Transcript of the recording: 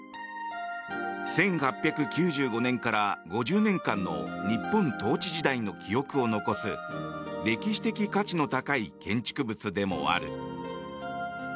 １８９５年から５０年間の日本統治時代の記憶を残す歴史的価値の高い建築物でもある。